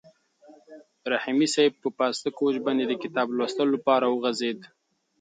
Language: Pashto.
رحیمي صیب په پاسته کوچ باندې د کتاب لوستلو لپاره وغځېد.